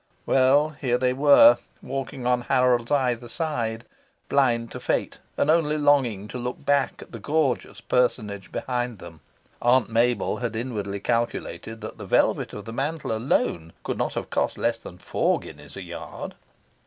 Well, here they were, walking on Harold's either side, blind to fate, and only longing to look back at the gorgeous personage behind them. Aunt Mabel had inwardly calculated that the velvet of the mantle alone could not have cost less than four guineas a yard.